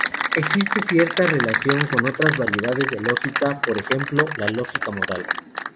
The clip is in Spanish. Existe una cierta relación con otras variedades de lógica, por ejemplo, la lógica modal.